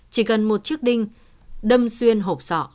chỉ cần một chiếc đinh đâm xuyên hộp sọ